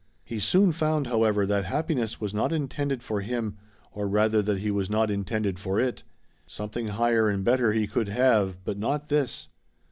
He soon found, however, that happiness was not intended for him, or rather, that he was not intended for it. Something higher and better he could have, but not this.